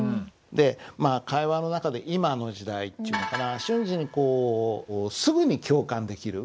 でまあ会話の中で今の時代っていうのかな瞬時にこうすぐに共感できる。